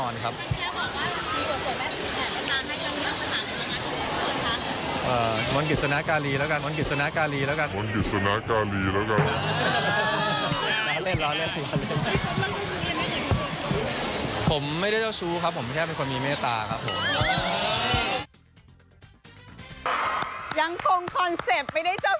ยังคงคอนเซปต์ไม่ได้เจ้าชู้แต่มีเมตตานะคุณผู้ชม